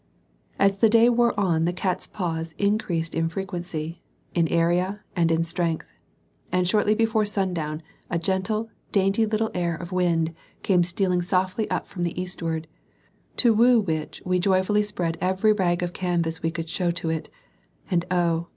As the day wore on the cat's paws increased in frequency, in area, and in strength; and shortly before sundown a gentle, dainty little air of wind came stealing softly up from the eastward, to woo which we joyfully spread every rag of canvas we could show to it: and oh!